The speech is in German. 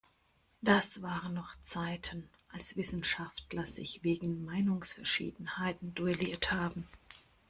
Das waren noch Zeiten, als Wissenschaftler sich wegen Meinungsverschiedenheiten duelliert haben!